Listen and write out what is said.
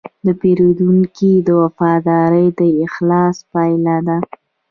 د پیرودونکي وفاداري د اخلاص پایله ده.